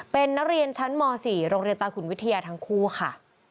เป็นนักเรียนชั้นม๔โรงเรียนตาขุนวิทยาทั้งคู่ค่ะ